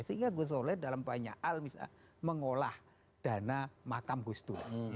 sehingga ghosnola dalam banyak hal mengolah dana makam gus tua